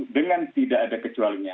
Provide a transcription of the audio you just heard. dengan tidak ada kecuali nya